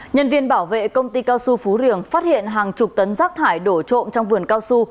nhân viên bảo vệ công ty cao su phú riềng phát hiện hàng chục tấn rác thải đổ trộm trong vườn cao su